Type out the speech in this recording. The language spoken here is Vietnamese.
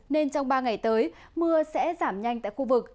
nên trong ba ngày tới mưa sẽ giảm nhanh tại khu vực